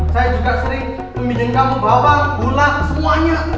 saya juga sering meminjam kamu bawang gula semuanya